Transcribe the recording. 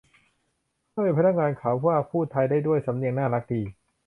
เฮ้ย พนักงานขาวมากพูดไทยได้ด้วย สำเนียงน่ารักดี